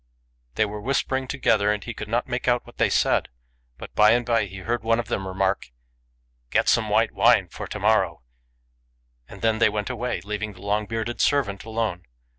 They were whis pering together, and he could not make out what they said ; but by and by he heard one of them remark, " Get some white wine for to morrow," and then they went away, leaving the long bearded servant alone.